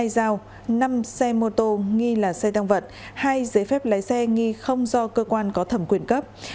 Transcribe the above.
hai dao năm xe mô tô nghi là xe tăng vật hai giấy phép lái xe nghi không do cơ quan có thẩm quyền cấp